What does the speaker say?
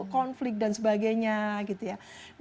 konflik dan sebagainya gitu ya